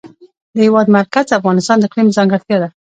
د هېواد مرکز د افغانستان د اقلیم ځانګړتیا ده.